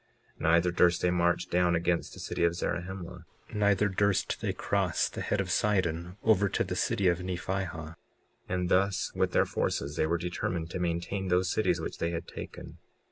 56:25 Neither durst they march down against the city of Zarahemla; neither durst they cross the head of Sidon, over to the city of Nephihah. 56:26 And thus, with their forces, they were determined to maintain those cities which they had taken.